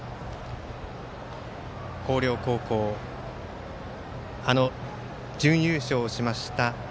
広陵高校あの準優勝しました